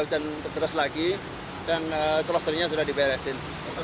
hujan terus lagi dan crosser nya sudah diberesin